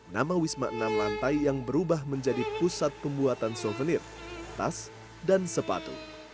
nama wisma enam lantai yang berubah menjadi pusat pembuatan souvenir tas dan sepatu